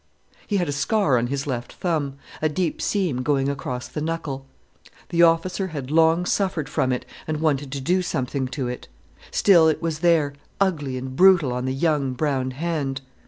He had a scar on his left thumb, a deep seam going across the knuckle. The officer had long suffered from it, and wanted to do something to it. Still it was there, ugly and brutal on the young, brown hand.